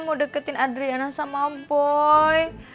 mau deketin adriana sama boy